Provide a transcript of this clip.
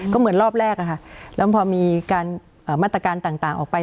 ก็เหมือนรอบแรกอะค่ะแล้วพอมีมาตรการต่างออกไป